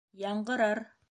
Яңғырар!